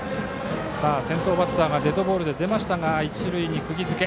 先頭バッターがデッドボールで出て一塁にくぎ付け。